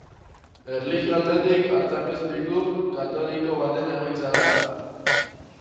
Erlijio aldetik artzapezpiku katoliko baten egoitza da.